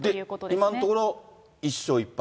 今のところ１勝１敗。